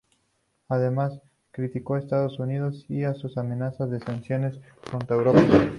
Además, criticó a Estados Unidos y a sus amenazas de sanciones junto a Europa.